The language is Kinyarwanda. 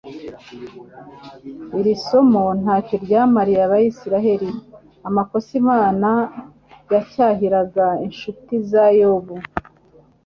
Iri somo ntacyo ryamariye Abisiraeli. Amakosa Imana yacyahiraga inshuti za Yobu,